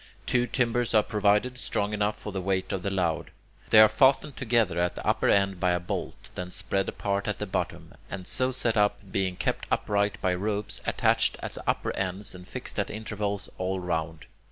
Two timbers are provided, strong enough for the weight of the load. They are fastened together at the upper end by a bolt, then spread apart at the bottom, and so set up, being kept upright by ropes attached at the upper ends and fixed at intervals all round.